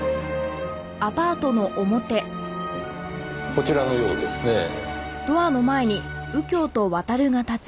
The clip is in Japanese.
こちらのようですねぇ。